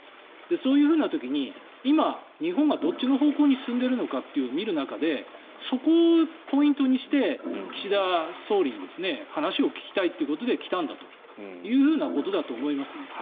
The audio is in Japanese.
そういう時に今、日本がどっちの方向に進んでいるのかを見る中でそこをポイントにして岸田総理に話を聞きたいということで来たんだということだと思います。